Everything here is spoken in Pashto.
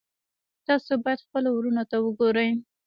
تاسو باید خپلو وروڼو ته وګورئ.